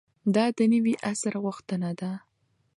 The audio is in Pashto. دا د نوي عصر غوښتنه ده.